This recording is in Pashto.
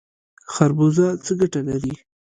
خربوزه څه ګټه لري؟